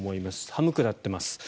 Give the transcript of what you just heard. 寒くなっています。